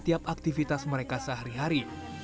setiap aktivitas mereka sehari hari